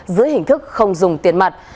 dưới hình thức không dùng tiền mặt